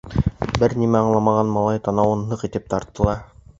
Бер ни аңламаған малай, танауын ныҡ итеп тартты ла: